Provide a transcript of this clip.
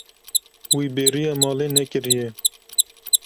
Wî bêriya malê nekiriye.